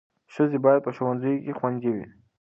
ښځې باید په ښوونځیو کې خوندي وي.